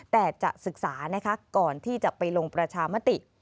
แต่จะศึกษานะคะก่อนที่จะไปลงประชามติ